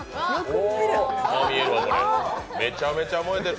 めちゃめちゃ燃えてる。